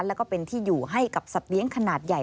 แล้วก็เป็นที่อยู่ให้กับสัตว์เลี้ยงขนาดใหญ่